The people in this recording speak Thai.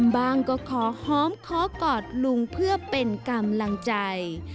ก็ขอหอมขอกอดลุงเพื่อเป็นกำลังใจ